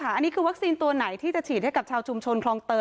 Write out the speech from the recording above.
อันนี้คือวัคซีนตัวไหนที่จะฉีดให้กับชาวชุมชนคลองเตย